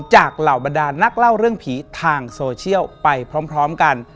เหล่าบรรดานนักเล่าเรื่องผีทางโซเชียลไปพร้อมกัน